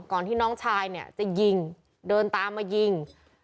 ก่อนที่น้องชายจะยิงเดินตามมายิง